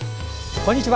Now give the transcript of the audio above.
こんにちは。